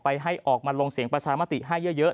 ให้ออกมาลงเสียงประชามติให้เยอะ